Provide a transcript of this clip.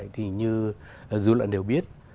thì như dư luận đều biết